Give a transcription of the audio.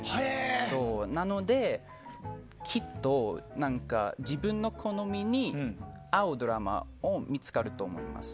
なので、きっと自分の好みに合うドラマが見つかると思います。